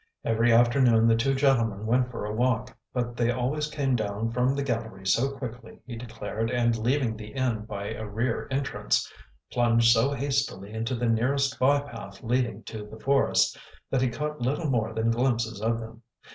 Every afternoon the two gentlemen went for a walk; but they always came down from the gallery so quickly, he declared, and, leaving the inn by a rear entrance, plunged so hastily into the nearest by path leading to the forest, that he caught little more than glimpses of them.